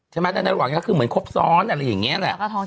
ใช่ไหมแต่ในระหว่างนี้ก็คือเหมือนครบซ้อนอะไรอย่างนี้แหละ